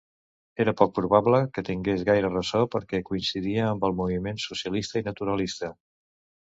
Era poc probable que tingués gaire ressò perquè coincidia amb el moviment socialista i naturalista.